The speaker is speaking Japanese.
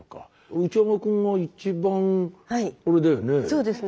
内山くんが一番あれだよね。